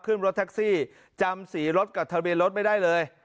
ขึ้นรถแท็กซี่จำสีรถกับทะเบียนรถไม่ได้เลย